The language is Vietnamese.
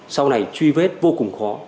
sau này truy vết vô cùng khó